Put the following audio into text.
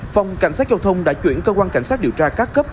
phòng cảnh sát giao thông đã chuyển cơ quan cảnh sát điều tra các cấp